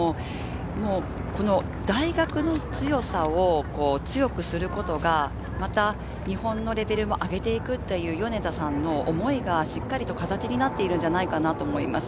この大学の強さを強くすることがまた日本のレベルも上げていくという米田さんの思いがしっかりと形になっているんじゃないかなと思います。